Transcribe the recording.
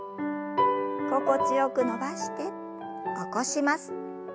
心地よく伸ばして起こします。